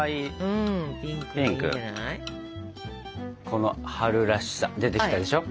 この春らしさ出てきたでしょ？